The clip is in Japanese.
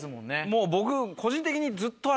もう僕。